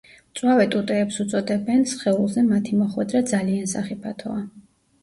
მწვავე ტუტეებს უწოდებენ სხეულზე მათი მოხვედრა ძალიან სახიფათოა.